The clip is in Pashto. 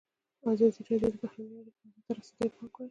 ازادي راډیو د بهرنۍ اړیکې حالت ته رسېدلي پام کړی.